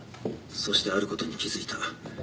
そしてあることに気付いた。